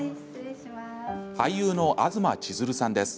俳優の東ちづるさんです。